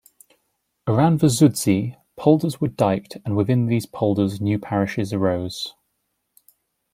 Around the Zuudzee, polders were diked, and within these polders, new parishes arose.